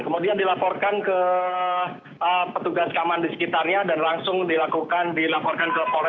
kemudian dilaporkan ke petugas keamanan di sekitarnya dan langsung dilaporkan ke polres